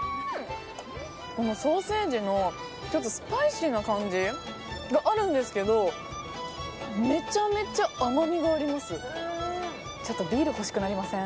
ソーセージのスパイシーな感じがあるんですけどめちゃめちゃ甘みがあります。